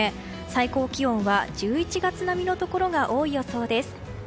最高気温は１１月並みのところが多い予想です。